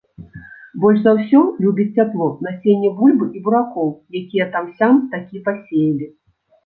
Больш за ўсё любіць цяпло насенне бульбы і буракоў, якія там-сям такі пасеялі.